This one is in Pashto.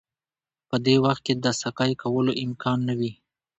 په دې وخت کې د سکی کولو امکان نه وي